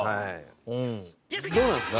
どうなんですか？